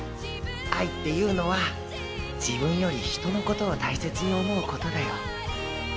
愛っていうのは自分よりひとのことを大切に思うことだよ。